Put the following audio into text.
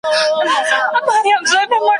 ایا د جګړې او سولې رومان په سینما کې بریالی و؟